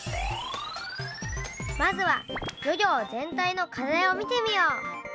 まずは漁業全体の課題を見てみよう。